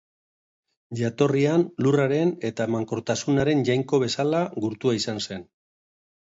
Jatorrian, Lurraren eta emankortasunaren jainko bezala gurtua izan zen.